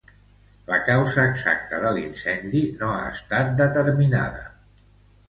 La causa exacta de l'incendi no ha estat determinada.